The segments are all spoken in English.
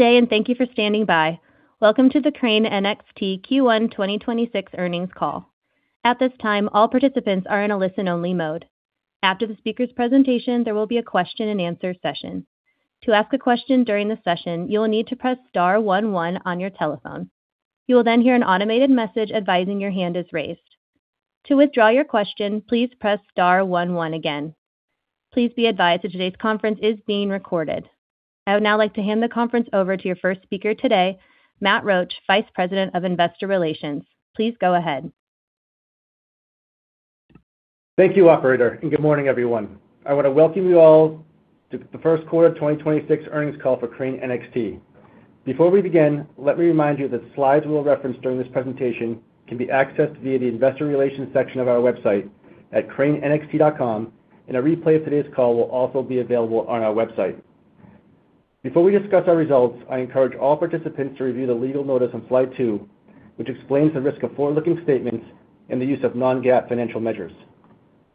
Good day and thank you for standing by. Welcome to the Crane NXT Q1 2026 earnings call. At this time all participants are in listen-only mode. After the speaker's presentation there will be a question-and-answer session. To ask a question during the session, you'll need to press star-one-one on your telephone, you'll then hear an automated message advising your hand is raised. To withdraw your question, please press star-one-one again. Please be advised that the this conference call is being recorded. Would now like to hand the conference over to your first speaker today, Matt Roache, Vice President of Investor Relations. Please go ahead. Thank you, operator. Good morning, everyone. I want to welcome you all to the first quarter of 2026 earnings call for Crane NXT. Before we begin, let me remind you that slides we'll reference during this presentation can be accessed via the investor relations section of our website at cranenxt.com and a replay of today's call will also be available on our website. Before we discuss our results, I encourage all participants to review the legal notice on slide two, which explains the risk of forward-looking statements and the use of non-GAAP financial measures.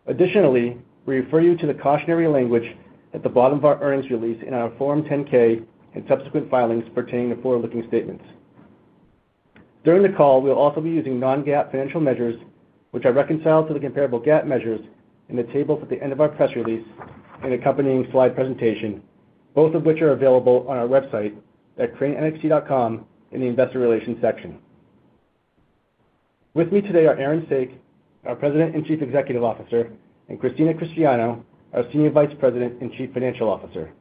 Additionally, we refer you to the cautionary language at the bottom of our earnings release in our Form 10-K and subsequent filings pertaining to forward-looking statements. During the call, we'll also be using non-GAAP financial measures, which are reconciled to the comparable GAAP measures in the tables at the end of our press release and accompanying slide presentation, both of which are available on our website at cranenxt.com in the investor relations section. With me today are Aaron Saak, our President and Chief Executive Officer, and Christina Cristiano, our Senior Vice President and Chief Financial Officer.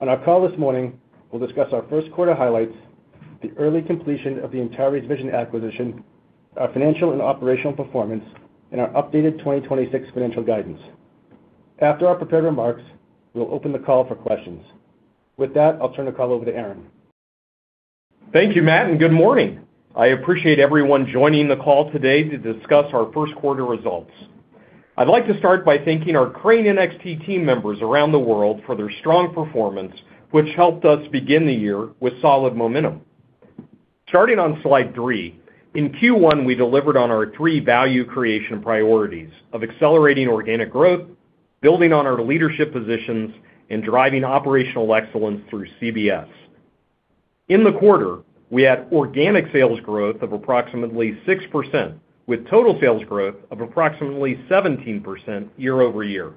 On our call this morning, we'll discuss our first quarter highlights, the early completion of the Antares Vision acquisition, our financial and operational performance, and our updated 2026 financial guidance. After our prepared remarks, we will open the call for questions. With that, I'll turn the call over to Aaron. Thank you, Matt, and good morning. I appreciate everyone joining the call today to discuss our first quarter results. I would like to start by thanking our Crane NXT team members around the world for their strong performance, which helped us begin the year with solid momentum. Starting on slide three, in Q1, we delivered on our three value creation priorities of accelerating organic growth, building on our leadership positions, and driving operational excellence through CBS. In the quarter, we had organic sales growth of approximately 6%, with total sales growth of approximately 17% year-over-year.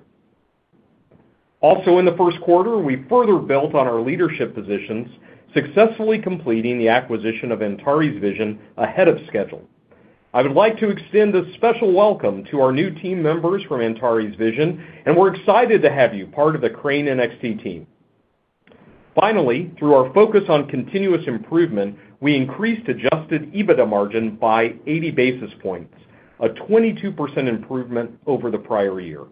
Also in the first quarter, we further built on our leadership positions, successfully completing the acquisition of Antares Vision ahead of schedule. I would like to extend a special welcome to our new team members from Antares Vision, and we are excited to have you part of the Crane NXT team. Finally, through our focus on continuous improvement, we increased adjusted EBITDA margin by 80 basis points, a 22% improvement over the prior year.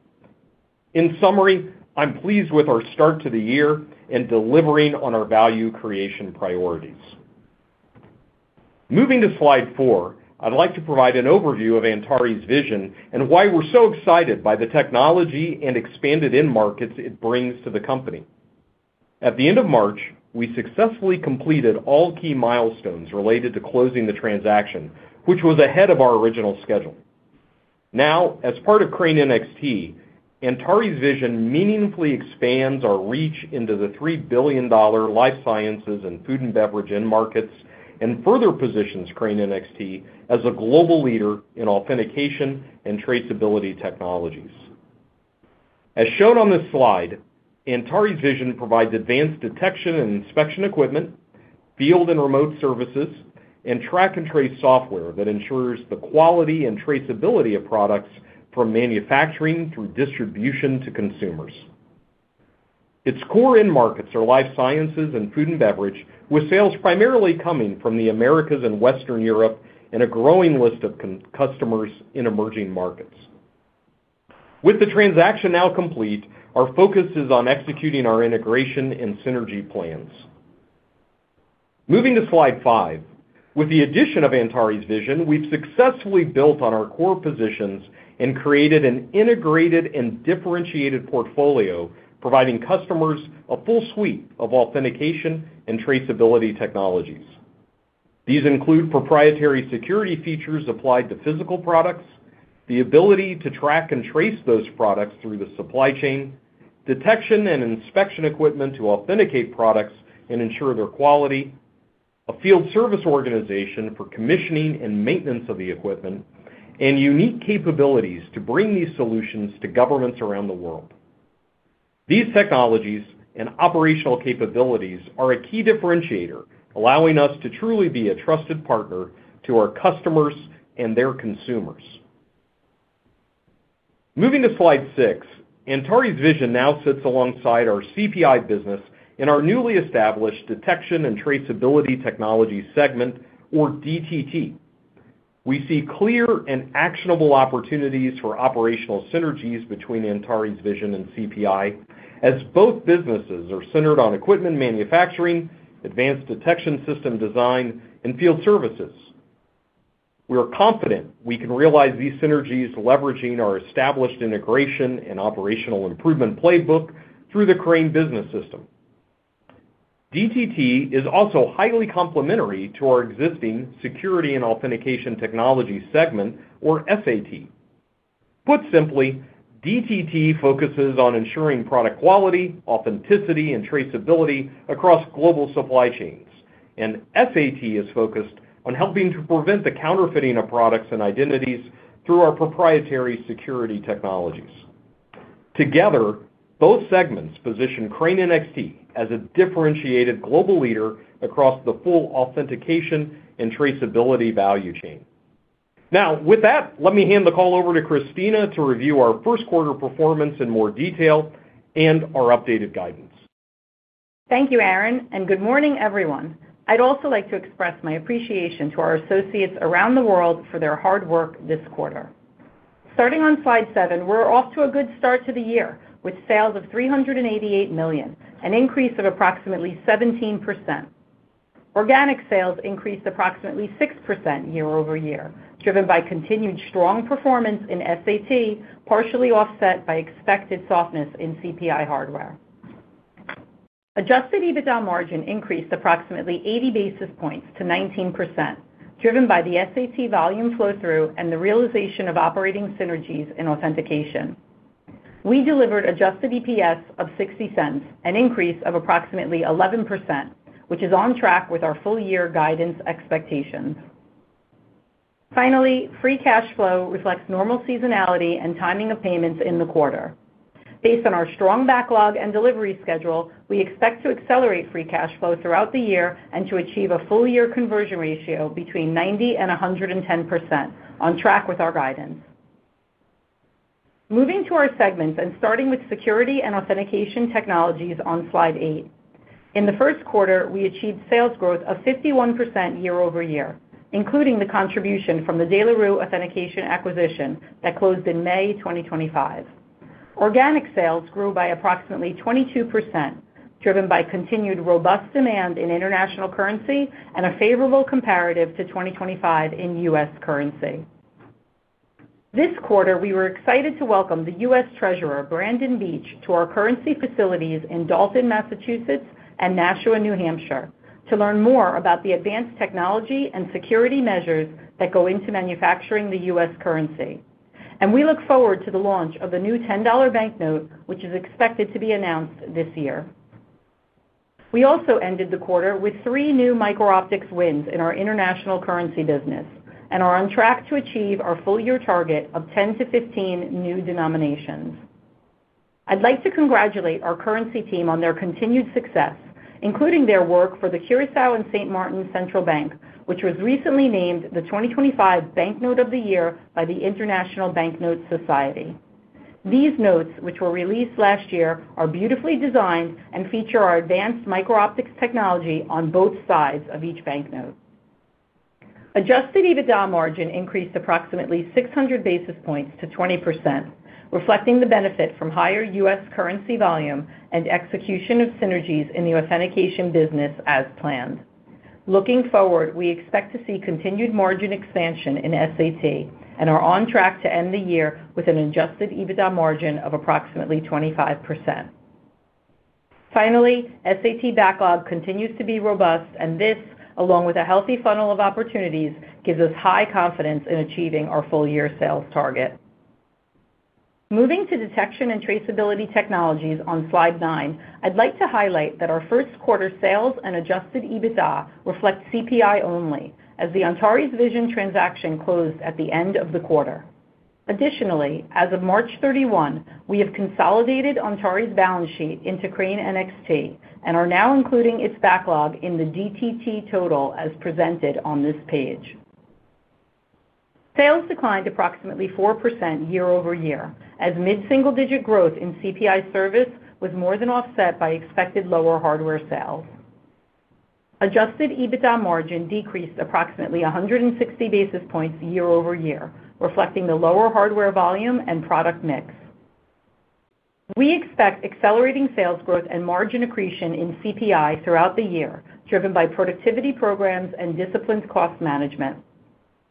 In summary, I'm pleased with our start to the year and delivering on our value creation priorities. Moving to slide four, I'd like to provide an overview of Antares Vision and why we're so excited by the technology and expanded end markets it brings to the company. At the end of March, we successfully completed all key milestones related to closing the transaction, which was ahead of our original schedule. Now, as part of Crane NXT, Antares Vision meaningfully expands our reach into the $3 billion life sciences and food and beverage end markets, and further positions Crane NXT as a global leader in authentication and traceability technologies. As shown on this slide, Antares Vision provides advanced detection and inspection equipment, field and remote services, and track and trace software that ensures the quality and traceability of products from manufacturing through distribution to consumers. Its core end markets are life sciences and food and beverage, with sales primarily coming from the Americas and Western Europe and a growing list of customers in emerging markets. With the transaction now complete, our focus is on executing our integration and synergy plans. Moving to slide five. With the addition of Antares Vision, we've successfully built on our core positions and created an integrated and differentiated portfolio providing customers a full suite of authentication and traceability technologies. These include proprietary security features applied to physical products, the ability to track and trace those products through the supply chain, detection and inspection equipment to authenticate products and ensure their quality, a field service organization for commissioning and maintenance of the equipment, and unique capabilities to bring these solutions to governments around the world. These technologies and operational capabilities are a key differentiator, allowing us to truly be a trusted partner to our customers and their consumers. Moving to slide six, Antares Vision now sits alongside our CPI business in our newly established Detection and Traceability Technology segment or DTT. We see clear and actionable opportunities for operational synergies between Antares Vision and CPI as both businesses are centered on equipment manufacturing, advanced detection system design, and field services. We are confident we can realize these synergies leveraging our established integration and operational improvement playbook through the Crane Business System. DTT is also highly complementary to our existing Security and Authentication Technologies segment or SAT. Put simply, DTT focuses on ensuring product quality, authenticity, and traceability across global supply chains. SAT is focused on helping to prevent the counterfeiting of products and identities through our proprietary security technologies. Together, both segments position Crane NXT as a differentiated global leader across the full authentication and traceability value chain. Now, with that, let me hand the call over to Christina to review our first quarter performance in more detail and our updated guidance. Thank you, Aaron, and good morning, everyone. I'd also like to express my appreciation to our associates around the world for their hard work this quarter. Starting on slide seven, we're off to a good start to the year, with sales of $388 million, an increase of approximately 17%. Organic sales increased approximately 6% year-over-year, driven by continued strong performance in SAT, partially offset by expected softness in CPI hardware. Adjusted EBITDA margin increased approximately 80 basis points to 19%, driven by the SAT volume flow-through and the realization of operating synergies in authentication. We delivered adjusted EPS of $0.60, an increase of approximately 11%, which is on track with our full year guidance expectations. Finally, free cash flow reflects normal seasonality and timing of payments in the quarter. Based on our strong backlog and delivery schedule, we expect to accelerate free cash flow throughout the year and to achieve a full year conversion ratio between 90% and 110% on track with our guidance. Moving to our segments and starting with Security and Authentication Technologies on slide eight. In the first quarter, we achieved sales growth of 51% year-over-year, including the contribution from the De La Rue Authentication acquisition that closed in May 2025. Organic sales grew by approximately 22%, driven by continued robust demand in international currency and a favorable comparative to 2025 in U.S. currency. This quarter, we were excited to welcome the U.S. Treasurer, Brandon Beach, to our currency facilities in Dalton, Massachusetts, and Nashua, New Hampshire, to learn more about the advanced technology and security measures that go into manufacturing the U.S. currency. We look forward to the launch of the new $10 banknote, which is expected to be announced this year. We also ended the quarter with three new micro-optics wins in our international currency business and are on track to achieve our full year target of 10-15 new denominations. I'd like to congratulate our currency team on their continued success, including their work for the Curaçao and Sint Maarten's central banks, which was recently named the 2025 Banknote of the Year by the International Bank Note Society. These notes, which were released last year, are beautifully designed and feature our advanced micro-optics technology on both sides of each banknote. Adjusted EBITDA margin increased approximately 600 basis points to 20%, reflecting the benefit from higher U.S. currency volume and execution of synergies in the authentication business as planned. Looking forward, we expect to see continued margin expansion in SAT and are on track to end the year with an adjusted EBITDA margin of approximately 25%. Finally, SAT backlog continues to be robust, and this, along with a healthy funnel of opportunities, gives us high confidence in achieving our full-year sales target. Moving to Detection and Traceability Technologies on slide nine, I'd like to highlight that our first quarter sales and adjusted EBITDA reflect CPI only as the Antares Vision transaction closed at the end of the quarter. Additionally, as of March 31, we have consolidated Antares balance sheet into Crane NXT and are now including its backlog in the DTT total as presented on this page. Sales declined approximately 4% year-over-year, as mid-single-digit growth in CPI service was more than offset by expected lower hardware sales. Adjusted EBITDA margin decreased approximately 160 basis points year-over-year, reflecting the lower hardware volume and product mix. We expect accelerating sales growth and margin accretion in CPI throughout the year, driven by productivity programs and disciplined cost management.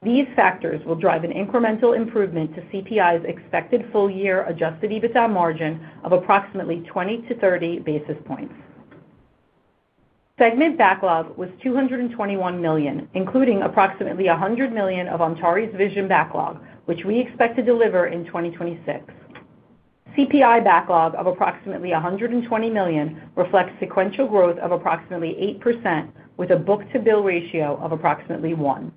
These factors will drive an incremental improvement to CPI's expected full-year adjusted EBITDA margin of approximately 20-30 basis points. Segment backlog was $221 million, including approximately $100 million of Antares Vision backlog, which we expect to deliver in 2026. CPI backlog of approximately $120 million reflects sequential growth of approximately 8% with a book-to-bill ratio of approximately 1.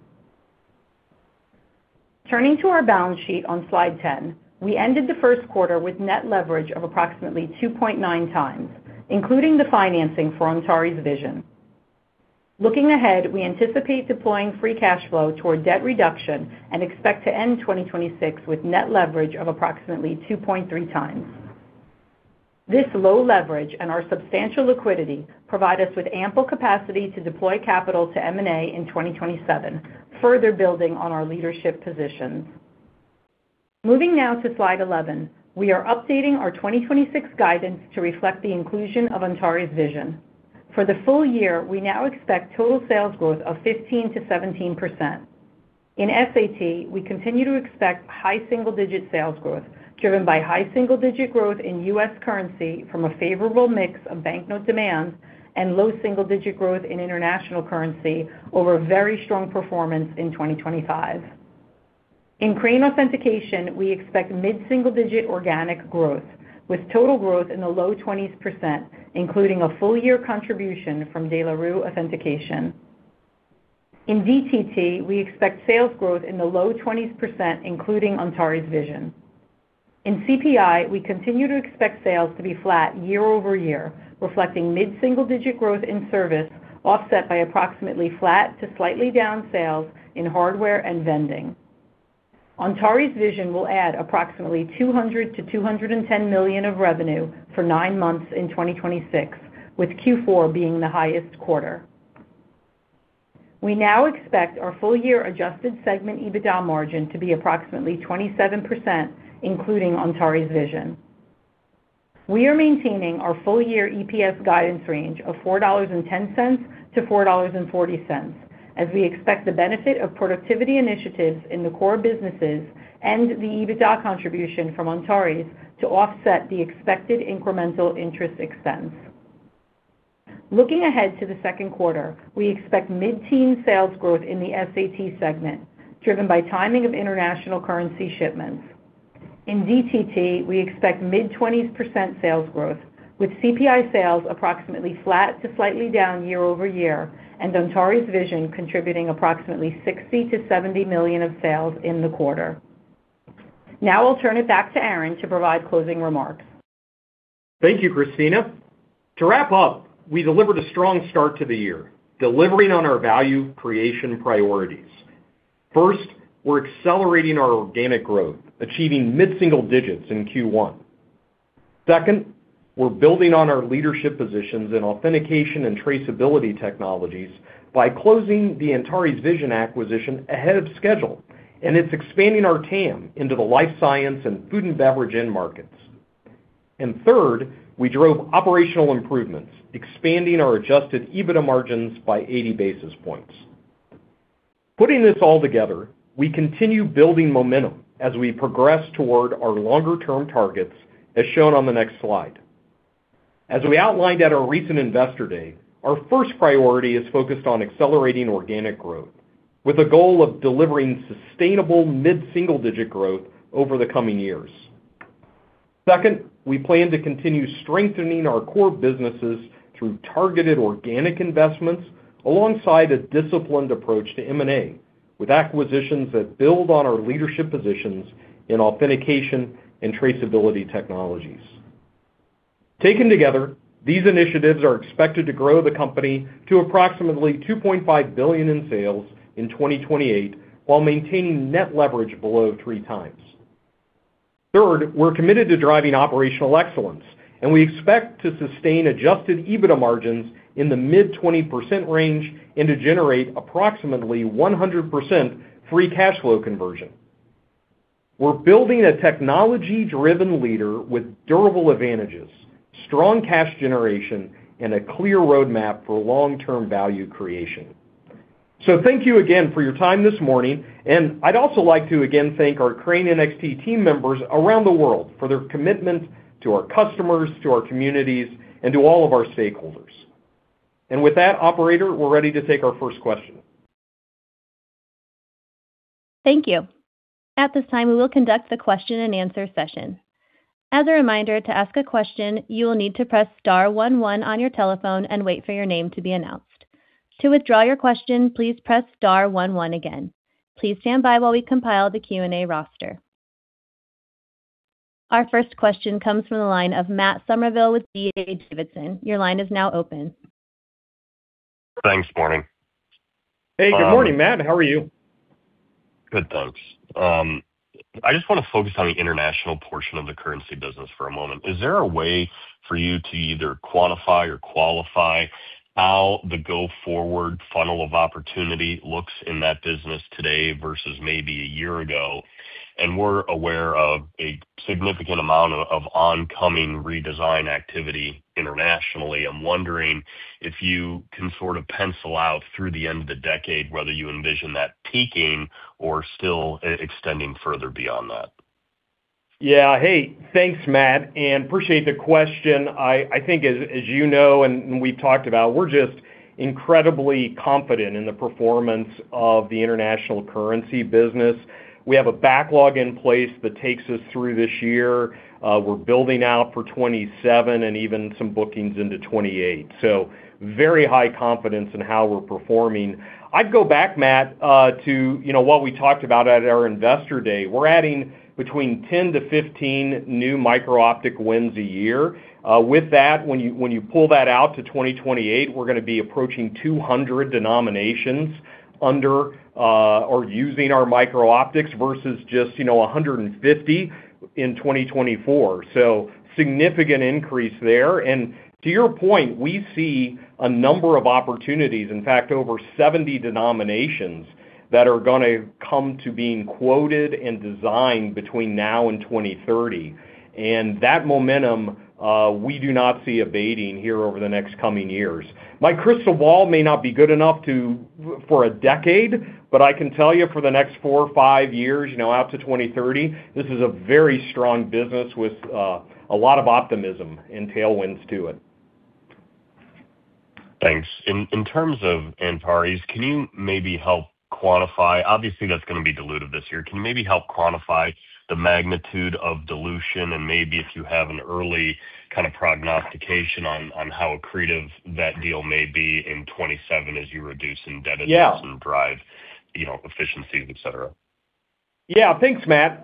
Turning to our balance sheet on Slide 10, we ended the first quarter with net leverage of approximately 2.9x, including the financing for Antares Vision. Looking ahead, we anticipate deploying free cash flow toward debt reduction and expect to end 2026 with net leverage of approximately 2.3x. This low leverage and our substantial liquidity provide us with ample capacity to deploy capital to M&A in 2027, further building on our leadership positions. Moving now to slide 11. We are updating our 2026 guidance to reflect the inclusion of Antares Vision. For the full year, we now expect total sales growth of 15%-17%. In SAT, we continue to expect high single-digit sales growth driven by high single-digit growth in U.S. currency from a favorable mix of banknote demand and low single-digit growth in international currency over a very strong performance in 2025. In Crane Authentication, we expect mid-single-digit organic growth, with total growth in the low 20%, including a full year contribution from De La Rue Authentication. In DTT, we expect sales growth in the low 20%, including Antares Vision. In CPI, we continue to expect sales to be flat year-over-year, reflecting mid-single-digit growth in service offset by approximately flat to slightly down sales in hardware and vending. Antares Vision will add approximately $200 million-$210 million of revenue for nine months in 2026, with Q4 being the highest quarter. We now expect our full year adjusted segment EBITDA margin to be approximately 27%, including Antares Vision. We are maintaining our full-year EPS guidance range of $4.10-$4.40 as we expect the benefit of productivity initiatives in the core businesses and the EBITDA contribution from Antares to offset the expected incremental interest expense. Looking ahead to the second quarter, we expect mid-teen sales growth in the SAT segment, driven by timing of international currency shipments. In DTT, we expect mid-20% sales growth, with CPI sales approximately flat to slightly down year-over-year and Antares Vision contributing approximately $60 million-$70 million of sales in the quarter. I'll turn it back to Aaron to provide closing remarks. Thank you, Christina. To wrap up, we delivered a strong start to the year, delivering on our value creation priorities. First, we're accelerating our organic growth, achieving mid-single digits in Q1. Second, we're building on our leadership positions in authentication and traceability technologies by closing the Antares Vision acquisition ahead of schedule. It's expanding our TAM into the life science and food and beverage end markets. Third, we drove operational improvements, expanding our adjusted EBITDA margins by 80 basis points. Putting this all together, we continue building momentum as we progress toward our longer-term targets, as shown on the next slide. As we outlined at our recent Investor Day, our first priority is focused on accelerating organic growth, with a goal of delivering sustainable mid-single-digit growth over the coming years. Second, we plan to continue strengthening our core businesses through targeted organic investments alongside a disciplined approach to M&A, with acquisitions that build on our leadership positions in authentication and traceability technologies. Taken together, these initiatives are expected to grow the company to approximately $2.5 billion in sales in 2028 while maintaining net leverage below 3x. Third, we're committed to driving operational excellence, we expect to sustain adjusted EBITDA margins in the mid-20% range and to generate approximately 100% free cash flow conversion. We're building a technology-driven leader with durable advantages, strong cash generation, and a clear roadmap for long-term value creation. Thank you again for your time this morning, and I'd also like to again thank our Crane NXT team members around the world for their commitment to our customers, to our communities, and to all of our stakeholders. With that, operator, we're ready to take our first question. Thank you. At this time, we will conduct the question-and-answer session. As a reminder, to ask a question, you will need to press star one-one on your telephone and wait for your name to be announced. To withdraw your question, please press star one-one again. Please stand by while we compile the Q&A roster. Our first question comes from the line of Matt Summerville with D.A. Davidson. Your line is now open. Thanks. Morning. Hey, good morning, Matt. How are you? Good, thanks. I just want to focus on the international portion of the currency business for a moment. Is there a way for you to either quantify or qualify how the go-forward funnel of opportunity looks in that business today versus maybe a year ago? We're aware of a significant amount of oncoming redesign activity internationally. I'm wondering if you can sort of pencil out through the end of the decade whether you envision that peaking or still extending further beyond that. Yeah. Hey, thanks, Matt, and appreciate the question. I think as you know and we've talked about, we're just incredibly confident in the performance of the international currency business. We have a backlog in place that takes us through this year. We're building out for 2027 and even some bookings into 2028. Very high confidence in how we're performing. I'd go back, Matt, to, you know, what we talked about at our Investor Day. We're adding between 10-15 new micro-optic wins a year. With that, when you pull that out to 2028, we're gonna be approaching 200 denominations under or using our micro-optics versus just, you know, 150 in 2024. Significant increase there. To your point, we see a number of opportunities, in fact, over 70 denominations that are going to come to being quoted and designed between now and 2030. That momentum, we do not see abating here over the next coming years. My crystal ball may not be good enough for a decade, but I can tell you for the next four to five years, you know, out to 2030, this is a very strong business with a lot of optimism and tailwinds to it. Thanks. In terms of Antares, can you maybe help quantify, obviously, that's gonna be diluted this year, can you maybe help quantify the magnitude of dilution and maybe if you have an early kind of prognostication on how accretive that deal may be in 2027 as you reduce some debit to drive, you know, efficiencies, et cetera? Yeah. Thanks, Matt.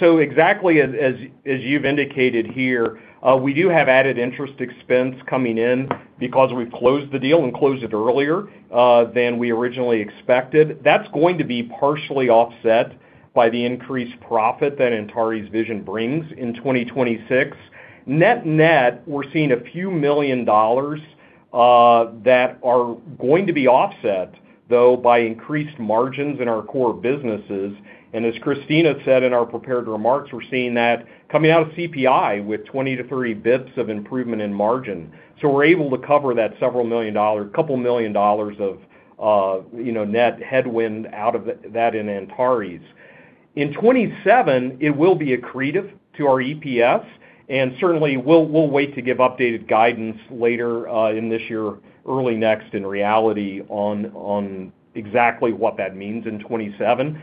Exactly as you've indicated here, we do have added interest expense coming in because we closed the deal and closed it earlier than we originally expected. That's going to be partially offset by the increased profit that Antares Vision brings in 2026. Net-net, we're seeing a few million dollars that are going to be offset though by increased margins in our core businesses. As Christina said in our prepared remarks, we're seeing that coming out of CPI with 20-30 basis points of improvement in margin. We're able to cover that couple million dollars of, you know, net headwind out of that in Antares. In 2027, it will be accretive to our EPS, and certainly, we'll wait to give updated guidance later in this year, early next in reality on exactly what that means in 2027.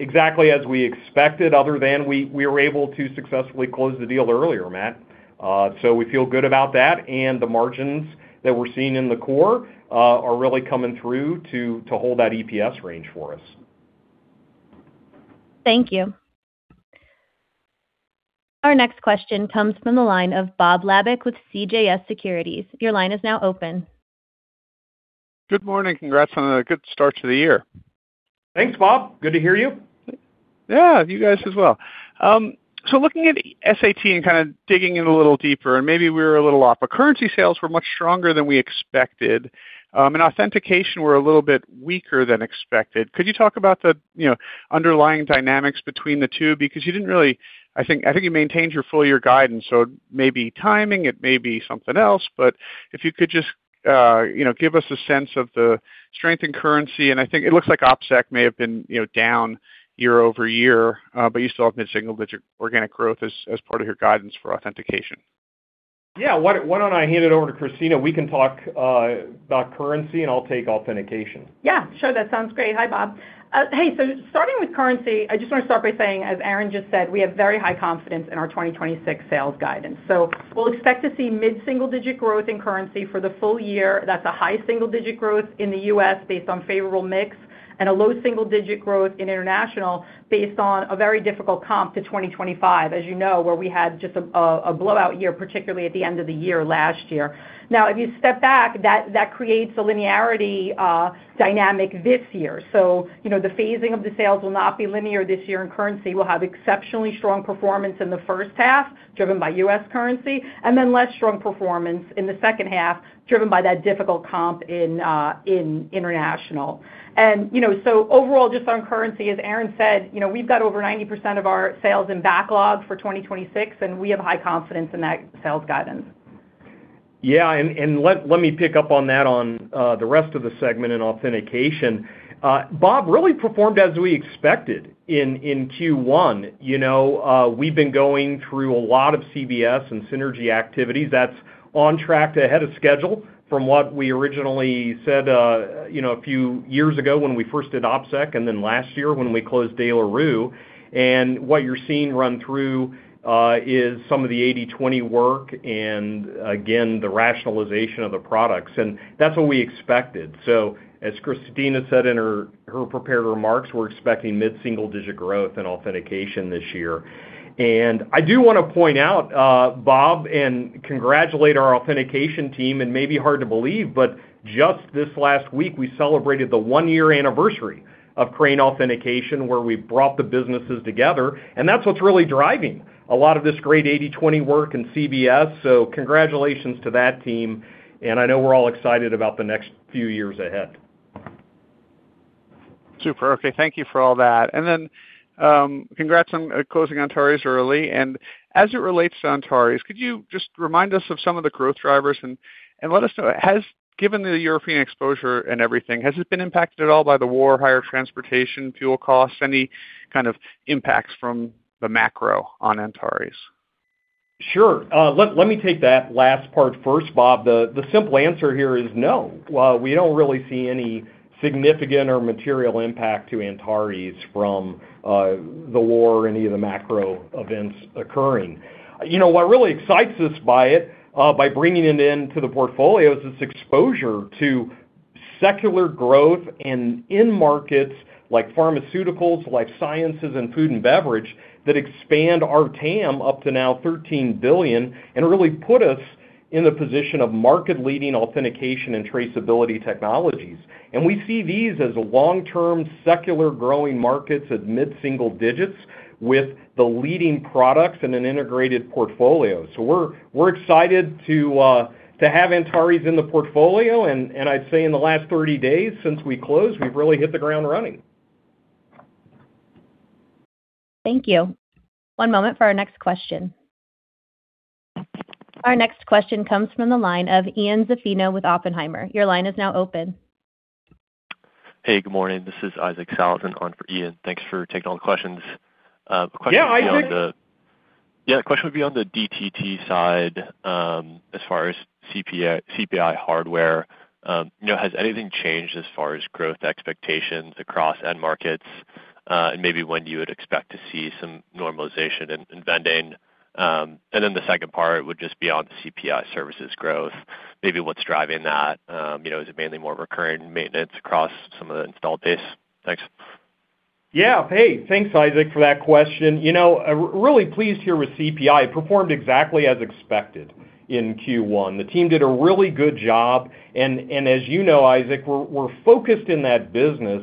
Exactly as we expected other than we were able to successfully close the deal earlier, Matt. We feel good about that, and the margins that we're seeing in the core are really coming through to hold that EPS range for us. Thank you. Our next question comes from the line of Bob Labick with CJS Securities. Your line is now open. Good morning. Congrats on a good start to the year. Thanks, Bob. Good to hear you. Yeah, you guys as well. Looking at SAT and kind of digging in a little deeper, and maybe we're a little off, but currency sales were much stronger than we expected, and authentication were a little bit weaker than expected. Could you talk about the, you know, underlying dynamics between the two? Because you didn't I think you maintained your full year guidance, it may be timing, it may be something else. If you could just, you know, give us a sense of the strength in currency, and I think it looks like OpSec may have been, you know, down year-over-year, but you still have mid-single-digit organic growth as part of your guidance for authentication. Yeah. Why don't I hand it over to Christina? We can talk about currency, and I'll take authentication. Yeah. Sure. That sounds great. Hi, Bob. Hey, starting with currency, I just wanna start by saying, as Aaron just said, we have very high confidence in our 2026 sales guidance. We'll expect to see mid-single digit growth in currency for the full year. That's a high single digit growth in the U.S. based on favorable mix, and a low single digit growth in international based on a very difficult comp to 2025, as you know, where we had just a blowout year, particularly at the end of the year last year. Now, if you step back, that creates a linearity dynamic this year. You know, the phasing of the sales will not be linear this year, currency will have exceptionally strong performance in the first half, driven by U.S. currency, then less strong performance in the second half, driven by that difficult comp in international. You know, overall, just on currency, as Aaron said, you know, we've got over 90% of our sales in backlog for 2026, and we have high confidence in that sales guidance. Yeah. Let me pick up on that on the rest of the segment in authentication. Bob, really performed as we expected in Q1. You know, we've been going through a lot of CBS and synergy activities. That's on track to ahead of schedule from what we originally said, you know, a few years ago when we first did OpSec and then last year when we closed De La Rue. What you're seeing run through is some of the 80/20 work and again, the rationalization of the products, and that's what we expected. As Christina said in her prepared remarks, we're expecting mid-single digit growth in authentication this year. I do wanna point out, Bob, and congratulate our authentication team, and may be hard to believe, but just this last week, we celebrated the one-year anniversary of Crane Authentication, where we brought the businesses together, and that's what's really driving a lot of this great 80/20 work in CBS. Congratulations to that team, and I know we're all excited about the next few years ahead. Super. Okay. Thank you for all that. Then, congrats on closing Antares early. As it relates to Antares, could you just remind us of some of the growth drivers? Let us know, Given the European exposure and everything, has it been impacted at all by the war, higher transportation, fuel costs, any kind of impacts from the macro on Antares? Sure. Let me take that last part first, Bob. The simple answer here is no. We don't really see any significant or material impact to Antares from the war or any of the macro events occurring. You know, what really excites us by it, by bringing it into the portfolio is its exposure to secular growth and in markets like pharmaceuticals, life sciences, and food and beverage that expand our TAM up to now $13 billion and really put us in the position of market-leading authentication and traceability technologies. We see these as long-term, secular growing markets at mid-single digits with the leading products in an integrated portfolio. We're excited to have Antares in the portfolio. I'd say in the last 30 days since we closed, we've really hit the ground running. Thank you. One moment for our next question. Our next question comes from the line of Ian Zaffino with Oppenheimer. Your line is now open. Hey, good morning. This is Isaac Sellhausen on for Ian. Thanks for taking all the questions. Yeah, hi, Isaac. The question would be on the DTT side, as far as CPI hardware. You know, has anything changed as far as growth expectations across end markets? Maybe when you would expect to see some normalization in vending. The second part would just be on CPI services growth. Maybe what's driving that. You know, is it mainly more recurring maintenance across some of the installed base? Thanks. Yeah. Hey, thanks, Isaac, for that question. You know, really pleased here with CPI. Performed exactly as expected in Q1. The team did a really good job and as you know, Isaac, we're focused in that business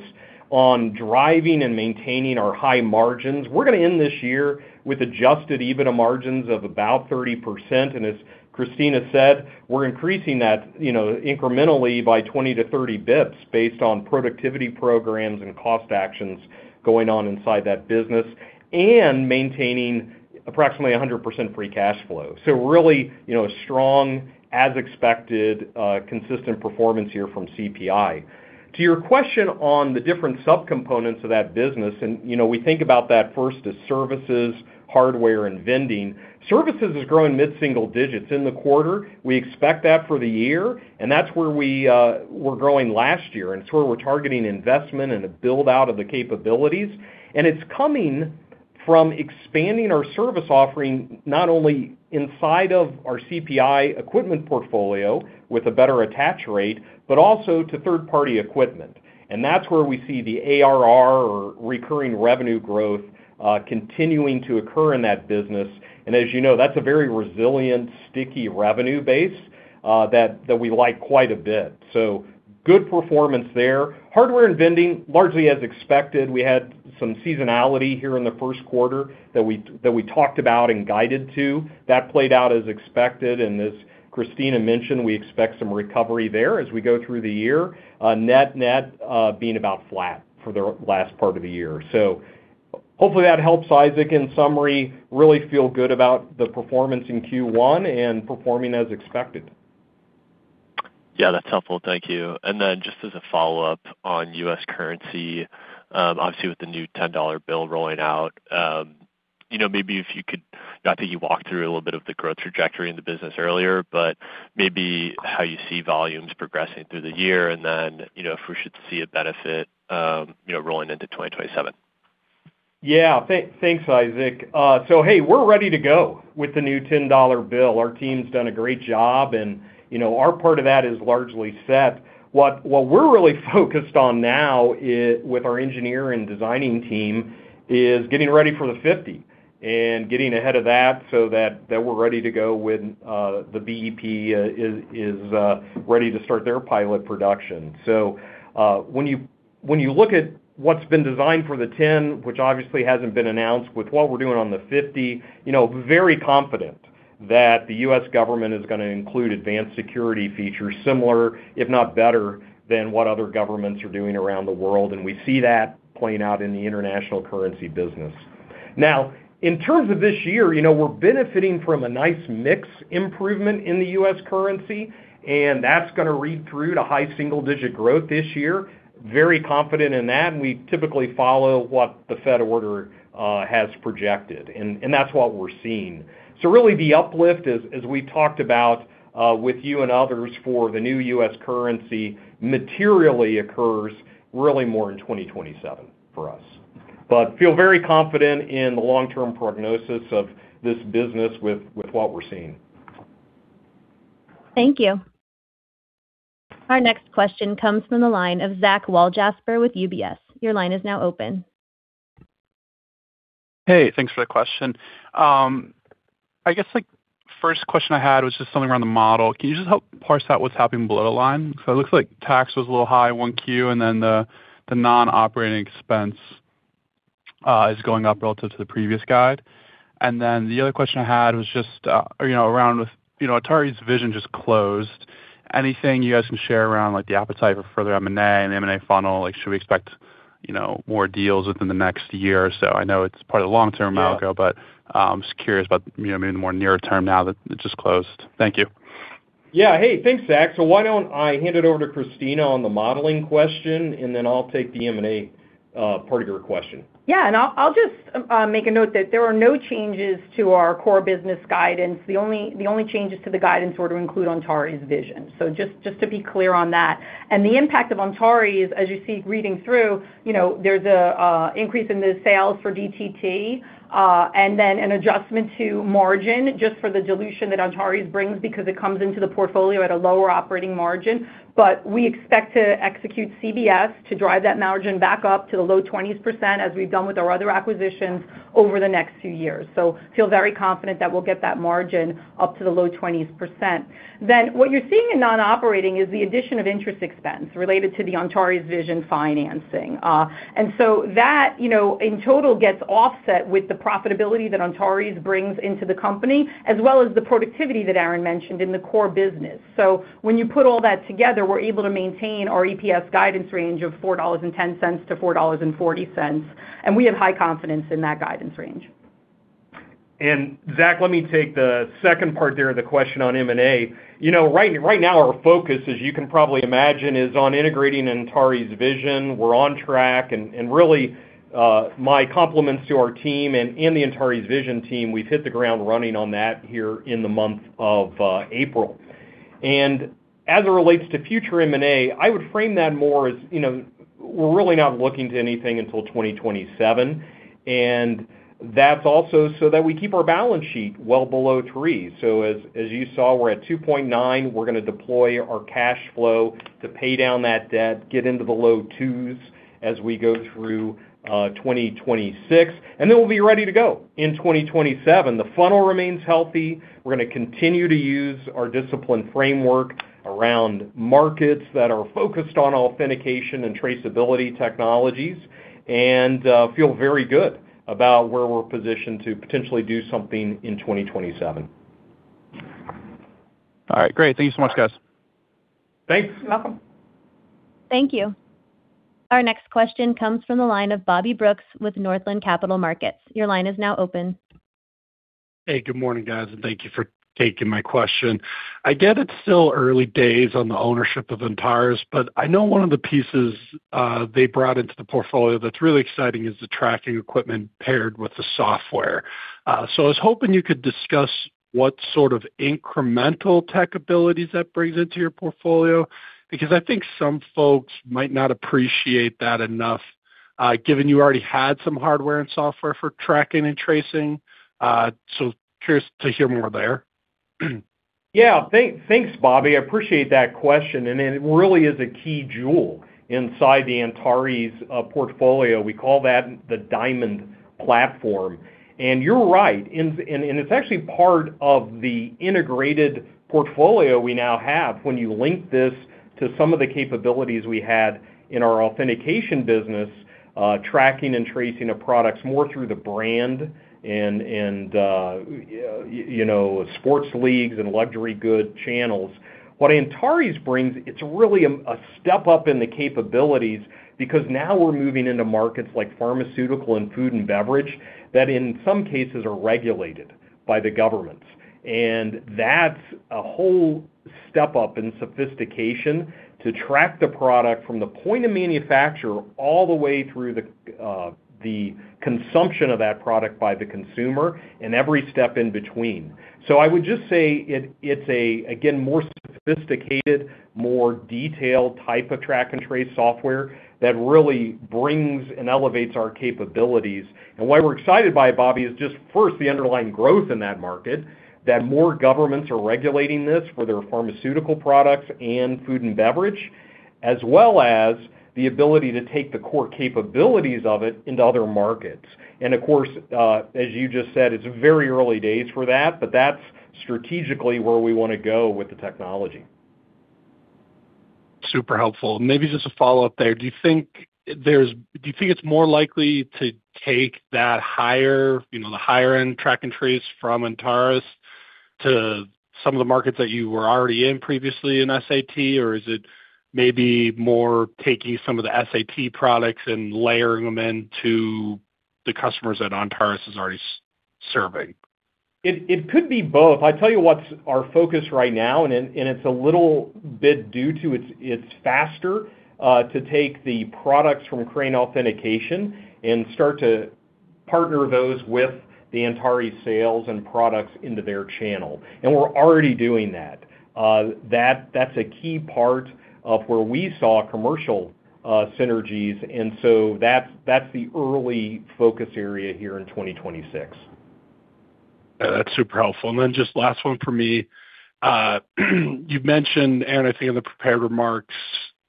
on driving and maintaining our high margins. We're gonna end this year with adjusted EBITDA margins of about 30%, and as Christina said, we're increasing that, you know, incrementally by 20-30 basis points based on productivity programs and cost actions going on inside that business, and maintaining approximately a 100% free cash flow. Really, you know, strong as expected, consistent performance here from CPI. To your question on the different subcomponents of that business, you know, we think about that first as services, hardware, and vending. Services is growing mid-single digits in the quarter. We expect that for the year, and that's where we were growing last year, and it's where we're targeting investment and a build-out of the capabilities. It's coming from expanding our service offering, not only inside of our CPI equipment portfolio with a better attach rate, but also to third-party equipment. That's where we see the ARR or recurring revenue growth continuing to occur in that business. As you know, that's a very resilient, sticky revenue base that we like quite a bit. Good performance there. Hardware and vending, largely as expected. We had some seasonality here in the first quarter that we talked about and guided to. That played out as expected, and as Christina mentioned, we expect some recovery there as we go through the year. Net-net, being about flat for the last part of the year. Hopefully that helps, Isaac. In summary, really feel good about the performance in Q1 and performing as expected. Yeah, that's helpful. Thank you. Then just as a follow-up on U.S. currency, obviously with the new 10-dollar bill rolling out, maybe if you could I think you walked through a little bit of the growth trajectory in the business earlier, but maybe how you see volumes progressing through the year and then if we should see a benefit rolling into 2027. Yeah. Thanks, Isaac. Hey, we're ready to go with the new 10-dollar bill. Our team's done a great job, you know, our part of that is largely set. What we're really focused on now with our engineer and designing team, is getting ready for the 50 and getting ahead of that so that we're ready to go when the BEP is ready to start their pilot production. When you look at what's been designed for the 10, which obviously hasn't been announced, with what we're doing on the 50, you know, very confident that the U.S. government is gonna include advanced security features, similar if not better than what other governments are doing around the world, we see that playing out in the international currency business. In terms of this year, you know, we're benefiting from a nice mix improvement in the U.S. currency, and that's going to read through to high single-digit growth this year. Very confident in that, we typically follow what the Fed order has projected and that's what we're seeing. Really the uplift as we talked about with you and others for the new U.S. currency materially occurs really more in 2027 for us. Feel very confident in the long-term prognosis of this business with what we're seeing. Thank you. Our next question comes from the line of Zach Walljasper with UBS. Your line is now open. Hey, thanks for the question. I guess, like, first question I had was just something around the model. Can you just help parse out what's happening below the line? 'Cause it looks like tax was a little high 1Q, and then the non-operating expense is going up relative to the previous guide. The other question I had was just, you know, around with, you know, Antares Vision just closed. Anything you guys can share around, like, the appetite for further M&A and M&A funnel? Like, should we expect, you know, more deals within the next year or so? I know it's part of the long-term outlook. Yeah Just curious about, you know, maybe the more nearer term now that it just closed. Thank you. Yeah. Hey, thanks, Zach. Why don't I hand it over to Christina on the modeling question, and then I'll take the M&A part of your question. Yeah. I'll just make a note that there are no changes to our core business guidance. The only changes to the guidance were to include Antares Vision. Just to be clear on that. The impact of Antares, as you see reading through, you know, there's a increase in the sales for DTT, then an adjustment to margin just for the dilution that Antares brings because it comes into the portfolio at a lower operating margin. We expect to execute CBS to drive that margin back up to the low 20%, as we've done with our other acquisitions over the next few years. Feel very confident that we'll get that margin up to the low 20%. What you're seeing in non-operating is the addition of interest expense related to the Antares Vision financing. That, you know, in total gets offset with the profitability that Antares brings into the company, as well as the productivity that Aaron mentioned in the core business. When you put all that together, we're able to maintain our EPS guidance range of $4.10-$4.40, and we have high confidence in that guidance range. Zach, let me take the second part there, the question on M&A. You know, right now our focus, as you can probably imagine, is on integrating Antares Vision. We're on track and really, my compliments to our team and the Antares Vision team. We've hit the ground running on that here in the month of April. As it relates to future M&A, I would frame that more as, you know, we're really not looking to anything until 2027. That's also so that we keep our balance sheet well below 3x. As you saw, we're at 2.9x. We're gonna deploy our cash flow to pay down that debt, get into the low 2x as we go through 2026, and then we'll be ready to go in 2027. The funnel remains healthy. We're gonna continue to use our disciplined framework around markets that are focused on authentication and traceability technologies and feel very good about where we're positioned to potentially do something in 2027. All right. Great. Thank you so much, guys. Thanks. You're welcome. Thank you. Our next question comes from the line of Bobby Brooks with Northland Capital Markets. Your line is now open. Good morning, guys, and thank you for taking my question. I get it's still early days on the ownership of Antares, but I know one of the pieces they brought into the portfolio that's really exciting is the tracking equipment paired with the software. I was hoping you could discuss what sort of incremental tech abilities that brings into your portfolio, because I think some folks might not appreciate that enough, given you already had some hardware and software for tracking and tracing. Curious to hear more there. Yeah. Thanks, Bobby. I appreciate that question. It really is a key jewel inside the Antares portfolio. We call that the Diamond Platform. You're right, it's actually part of the integrated portfolio we now have when you link this to some of the capabilities we had in our authentication business, tracking and tracing of products more through the brand and sports leagues and luxury good channels. What Antares brings, it's really a step up in the capabilities because now we're moving into markets like pharmaceutical and food and beverage that in some cases are regulated by the governments. That's a whole step up in sophistication to track the product from the point of manufacture all the way through the consumption of that product by the consumer and every step in between. I would just say it's a, again, more sophisticated, more detailed type of track-and-trace software that really brings and elevates our capabilities. Why we're excited by it, Bobby, is just first, the underlying growth in that market, that more governments are regulating this, whether pharmaceutical products and food and beverage, as well as the ability to take the core capabilities of it into other markets. Of course, as you just said, it's very early days for that, but that's strategically where we wanna go with the technology. Super helpful. Maybe just a follow-up there. Do you think it's more likely to take that higher, you know, the higher-end track and trace from Antares to some of the markets that you were already in previously in SAT? Or is it maybe more taking some of the SAT products and layering them into the customers that Antares is already serving? It could be both. I tell you what's our focus right now, and it's a little bit due to it's faster to take the products from Crane Authentication and start to partner those with the Antares sales and products into their channel. We're already doing that. That's a key part of where we saw commercial synergies. That's the early focus area here in 2026. That's super helpful. Then just last one for me. You've mentioned, and I think in the prepared remarks,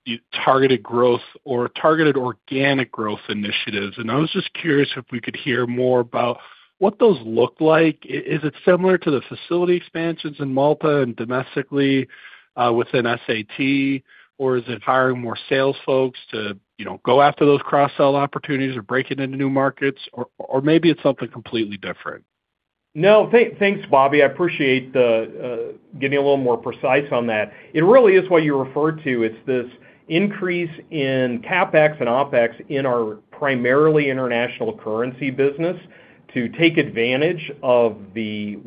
you targeted growth or targeted organic growth initiatives, and I was just curious if we could hear more about what those look like. Is it similar to the facility expansions in Malta and domestically, within SAT? Or is it hiring more sales folks to, you know, go after those cross-sell opportunities or breaking into new markets? Or maybe it's something completely different? No, thanks, Bobby. I appreciate the getting a little more precise on that. It really is what you referred to. It's this increase in CapEx and OpEx in our primarily international currency business to take advantage of the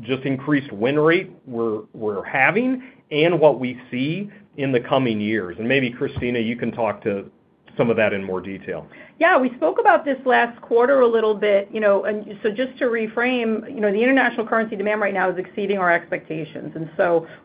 just increased win rate we're having and what we see in the coming years. Maybe, Christina, you can talk to some of that in more detail. Yeah. We spoke about this last quarter a little bit, you know, just to reframe, you know, the international currency demand right now is exceeding our expectations.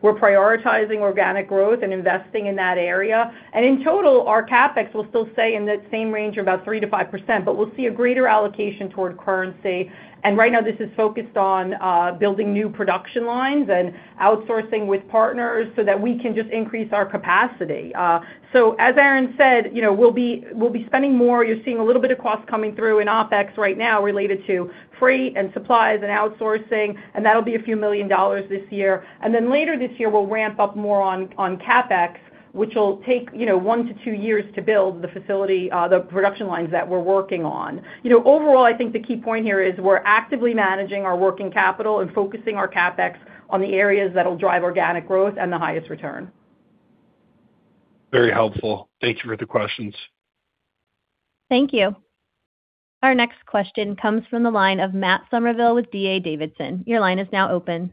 We're prioritizing organic growth and investing in that area. In total, our CapEx will still stay in that same range of about 3%-5%, but we'll see a greater allocation toward currency. Right now, this is focused on building new production lines and outsourcing with partners so that we can just increase our capacity. As Aaron said, you know, we'll be spending more. You're seeing a little bit of cost coming through in OpEx right now related to freight and supplies and outsourcing, that'll be a few million dollars this year. Later this year, we'll ramp up more on CapEx, which will take, you know, on to two years to build the facility, the production lines that we're working on. You know, overall, I think the key point here is we're actively managing our working capital and focusing our CapEx on the areas that'll drive organic growth and the highest return. Very helpful. Thank you for the questions. Thank you. Our next question comes from the line of Matt Summerville with D.A. Davidson. Your line is now open.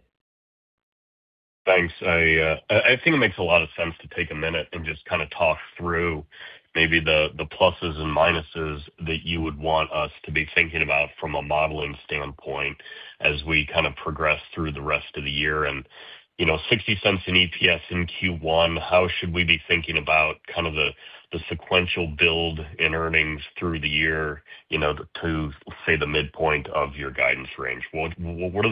Thanks. I think it makes a lot of sense to take a minute and just kind of talk through maybe the pluses and minuses that you would want us to be thinking about from a modeling standpoint as we kind of progress through the rest of the year. You know, $0.60 in EPS in Q1, how should we be thinking about kind of the sequential build in earnings through the year, you know, to, say, the midpoint of your guidance range? What are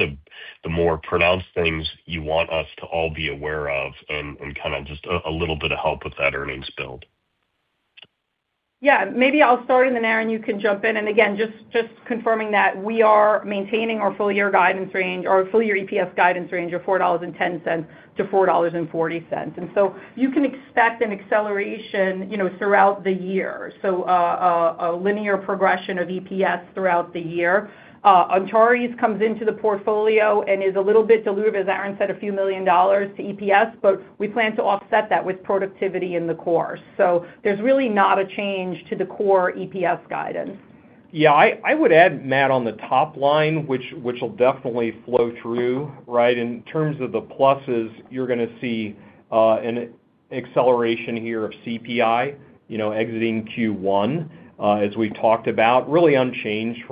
the more pronounced things you want us to all be aware of and kind of just a little bit of help with that earnings build? Yeah. Maybe I'll start and then, Aaron, you can jump in. Again, just confirming that we are maintaining our full year guidance range or full year EPS guidance range of $4.10-$4.40. You can expect an acceleration, you know, throughout the year. A linear progression of EPS throughout the year. Antares comes into the portfolio and is a little bit dilutive, as Aaron said, a few million dollars to EPS, but we plan to offset that with productivity in the core. There's really not a change to the core EPS guidance. I would add, Matt, on the top line, which will definitely flow through, right? In terms of the pluses, you're gonna see an acceleration here of CPI, you know, exiting Q1, as we talked about, really unchanged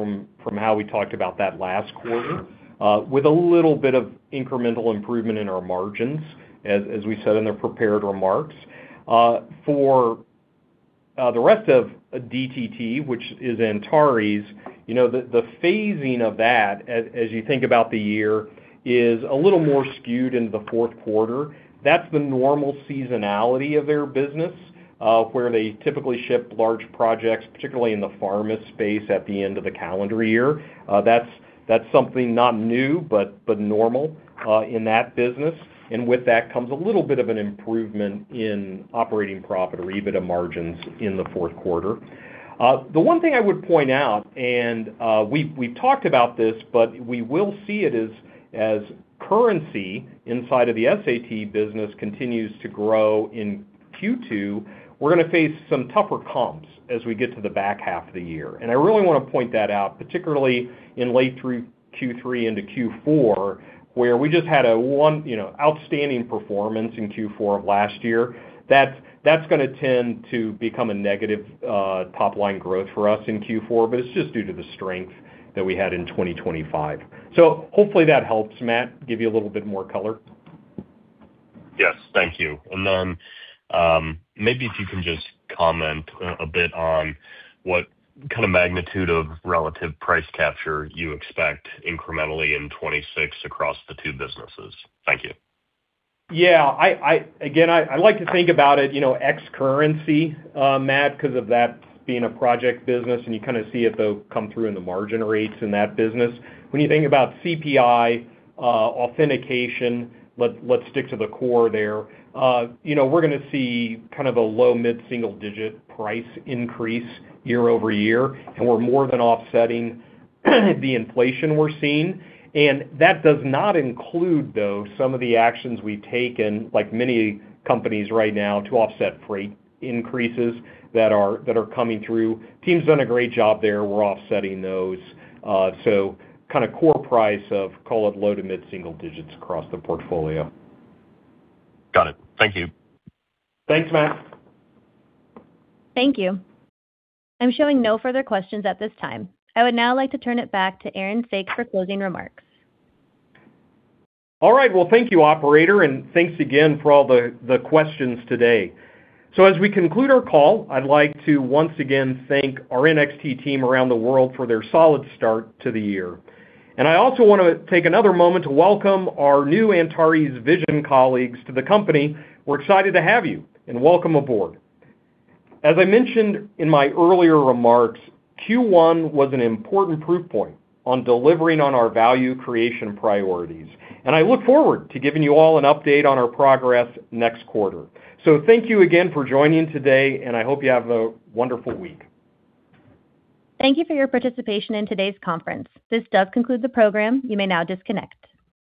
from how we talked about that last quarter. With a little bit of incremental improvement in our margins as we said in the prepared remarks. For the rest of DTT, which is Antares, you know, the phasing of that as you think about the year, is a little more skewed into the fourth quarter. That's the normal seasonality of their business, where they typically ship large projects, particularly in the pharma space at the end of the calendar year. That's something not new, but normal in that business. With that comes a little bit of an improvement in operating profit or EBITDA margins in the fourth quarter. The one thing I would point out, and we've talked about this, but we will see it as currency inside of the SAT business continues to grow in Q2, we're gonna face some tougher comps as we get to the back half of the year. I really wanna point that out, particularly in late Q3 into Q4, where we just had a one, you know, outstanding performance in Q4 of last year. That's gonna tend to become a negative top line growth for us in Q4, but it's just due to the strength that we had in 2025. Hopefully that helps, Matt, give you a little bit more color. Yes. Thank you. Then, maybe if you can just comment a bit on what kind of magnitude of relative price capture you expect incrementally in 2026 across the two businesses. Thank you. Yeah. I, again, I like to think about it, you know, ex currency, Matt, because of that being a project business and you kind of see it, though, come through in the margin rates in that business. When you think about CPI, Authentication, let's stick to the core there. You know, we're going to see kind of a low-mid single-digit price increase year-over-year, and we're more than offsetting the inflation we're seeing. That does not include, though, some of the actions we've taken, like many companies right now, to offset freight increases that are coming through. Team has done a great job there. We are offsetting those. Kind of core price of call it low to mid-single digits across the portfolio. Got it. Thank you. Thanks, Matt. Thank you. I'm showing no further questions at this time. I would now like to turn it back to Aaron Saak for closing remarks. All right. Well, thank you, operator, and thanks again for all the questions today. As we conclude our call, I'd like to once again thank our Crane NXT team around the world for their solid start to the year. I also wanna take another moment to welcome our new Antares Vision colleagues to the company. We're excited to have you, and welcome aboard. As I mentioned in my earlier remarks, Q1 was an important proof point on delivering on our value creation priorities, and I look forward to giving you all an update on our progress next quarter. Thank you again for joining today, and I hope you have a wonderful week. Thank you for your participation in today's conference. This does conclude the program. You may now disconnect.